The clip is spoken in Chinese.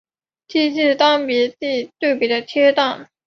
亦是当别町最北的车站。